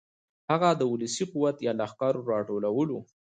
هغه د ولسي قوت یا لښکرو راټولول و.